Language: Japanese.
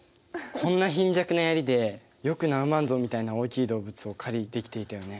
こんな貧弱なヤリでよくナウマンゾウみたいな大きい動物を狩りできていたよね。